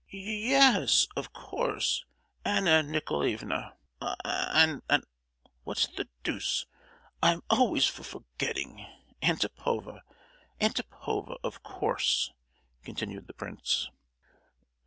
"Ye—yes, of course, Anna Nicolaevna. A—An. What the deuce! I'm always f—forgetting; Antipova, Antipova, of course," continued the prince.